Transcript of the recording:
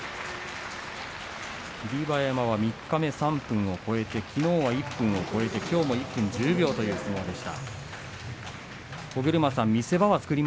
霧馬山、三日目、３分超えてきのうは１分超えてきょうは１分１０秒という相撲でした。